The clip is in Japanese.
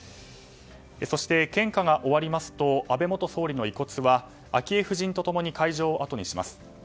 そして、献花が終わりますと安倍元総理の遺骨は昭恵夫人と共に会場をあとにします。